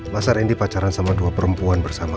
masa randy pacaran sama dua perempuan bersamaan